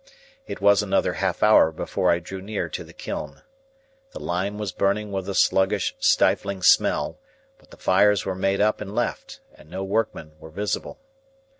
It was another half hour before I drew near to the kiln. The lime was burning with a sluggish stifling smell, but the fires were made up and left, and no workmen were visible.